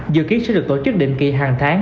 dự kiến sẽ được tổ chức định kỳ hàng tháng